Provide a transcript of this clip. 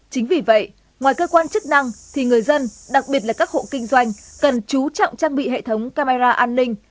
chính vì vậy ngoài cơ quan chức năng thì người dân đặc biệt là các hộ kinh doanh cần chú trọng trang bị hệ thống camera an ninh